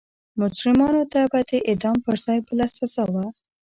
مجرمانو ته به د اعدام پر ځای بله سزا وه.